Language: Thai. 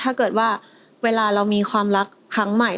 ถ้าเกิดว่าเวลาเรามีความรักครั้งใหม่